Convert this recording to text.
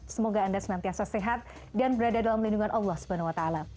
semoga anda senantiasa sehat dan berada dalam lindungan allah swt